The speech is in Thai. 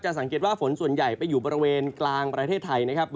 สังเกตว่าฝนส่วนใหญ่ไปอยู่บริเวณกลางประเทศไทยนะครับ